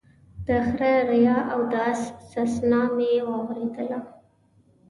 د خره ريا او د اس سسنا مې واورېدله